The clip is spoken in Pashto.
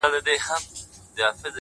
• زه او زما ورته ياران،